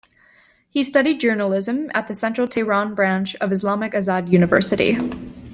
He studied journalism at the Central Tehran Branch of Islamic Azad University.